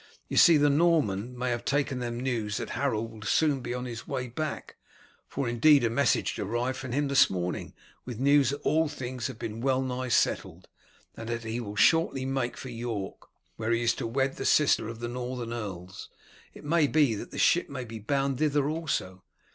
You see, the Norman may have taken them news that Harold will soon be on his way back, for indeed a message arrived from him this morning with news that all things had been well nigh settled, and that he will shortly make for York, where he is to wed the sister of the Northern earls. It may be that the ship may be bound thither also.